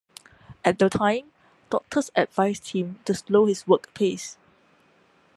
At the time, doctors advised him to slow his work pace.